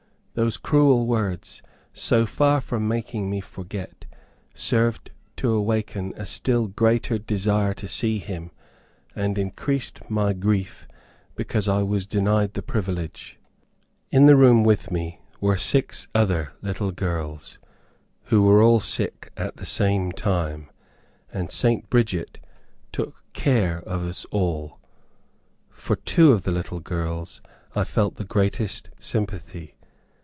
These cruel words, so far from making me forget, served to awaken a still greater desire to see him, and increased my grief because I was denied the privilege. In the room with me, were six other little girls, who were all sick at the same time, and St. Bridget took care of us all For two of the little girls, I felt the greatest sympathy.